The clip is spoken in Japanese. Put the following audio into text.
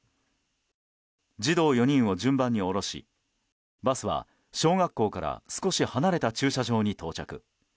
児童４人を順番に降ろしバスは小学校から少し離れた駐車場に到着。